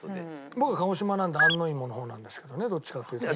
僕は鹿児島なんで安納いもの方なんですけどねどっちかっていうとね。